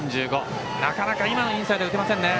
なかなか今のインサイド打てませんね。